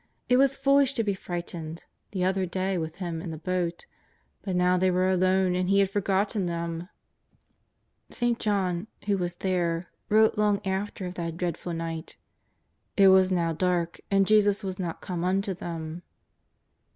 It was foolish to be frightened the other day with Ilim in the boat, but now they were alone and He had forgotten them. St. John, who was there, wrote long after of that dreadful night :'' It was now dark and Jesus was not come unto them."